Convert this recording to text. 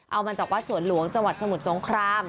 เอามาจากวัดสวนหลวงจังหวัดสมุทรสงคราม